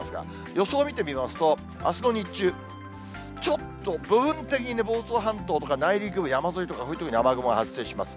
予想見てみますと、あすの日中、ちょっと部分的に房総半島とか内陸部、山沿いとかそういう所に雨雲が発生します。